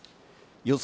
予想